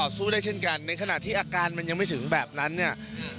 สู้ได้เช่นกันในขณะที่อาการมันยังไม่ถึงแบบนั้นเนี่ย